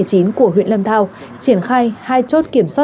của huyện lâm thao triển khai hai chốt kiểm soát